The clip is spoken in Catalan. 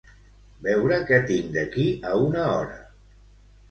Veure què tinc d'aquí a una hora.